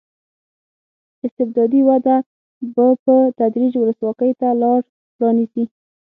استبدادي وده به په تدریج ولسواکۍ ته لار پرانېزي.